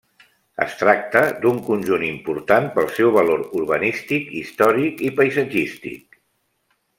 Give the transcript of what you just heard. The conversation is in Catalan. Es tracta d'un conjunt important pel seu valor urbanístic, històric i paisatgístic.